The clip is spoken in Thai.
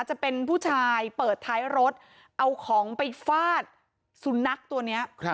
จะเป็นผู้ชายเปิดท้ายรถเอาของไปฟาดสุนัขตัวนี้